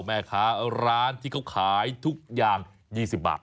แม่ค้าร้านที่เขาขายทุกอย่าง๒๐บาท